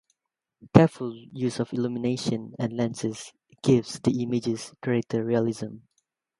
Careful use of illumination and lenses gives the images greater realism.